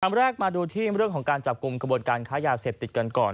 แรกมาดูที่เรื่องของการจับกลุ่มกระบวนการค้ายาเสพติดกันก่อน